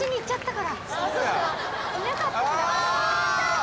いなかったんだああっ！